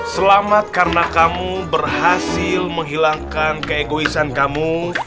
selamat karena kamu berhasil menghilangkan keegoisan kamu